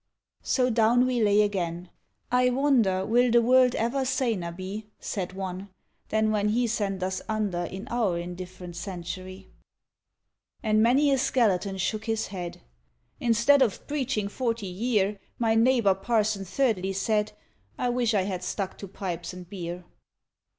So down we lay again. "I wonder, Will the world ever saner be," Said one, "than when He sent us under In our indifferent century!" And many a skeleton shook his head. "Instead of preaching forty year," My neighbour Parson Thirdly said, "I wish I had stuck to pipes and beer."